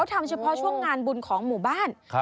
ทำเฉพาะช่วงงานบุญของหมู่บ้าน